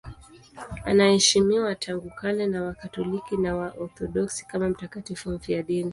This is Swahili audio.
Anaheshimiwa tangu kale na Wakatoliki na Waorthodoksi kama mtakatifu mfiadini.